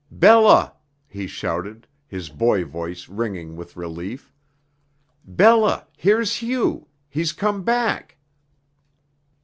"Bella!" he shouted, his boy voice ringing with relief. "Bella! Here's Hugh. He's come back."